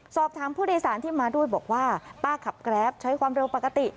สอบถามผู้โดยสารที่มาด้วยบอกว่าป้าขับแกรปใช้ความเร็วปกติ